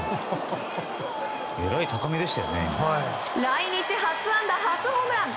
来日初安打、初ホームラン！